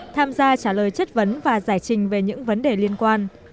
tham gia trả lời chất vấn và giải trình về những vấn đề liên quan